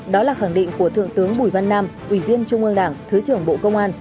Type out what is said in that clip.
đó là khẳng định của thượng tướng bùi văn nam ủy viên trung ương đảng thứ trưởng bộ công an